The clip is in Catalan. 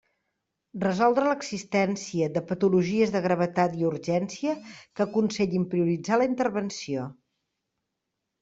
Resoldre l'existència de patologies de gravetat i urgència que aconsellin prioritzar la intervenció.